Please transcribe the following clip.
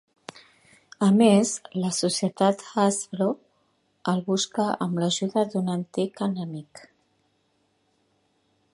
A més, la societat Hasbro el busca amb l'ajuda d'un antic enemic.